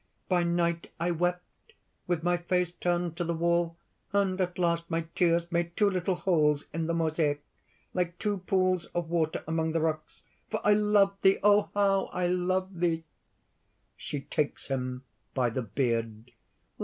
"By night I wept, with my face turned to the wall. And at last my tears made two little holes in the mosaic, like two pools of water among the rocks; for I love thee! oh! how I love thee!" (_She takes him by the beard.